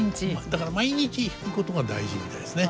だから毎日弾くことが大事みたいですね。